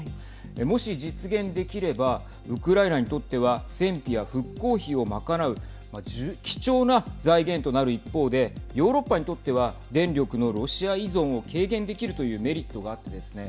もし実現できればウクライナにとっては戦費や復興費を賄う貴重な財源となる一方でヨーロッパにとっては電力のロシア依存を軽減できるというメリットがあってですね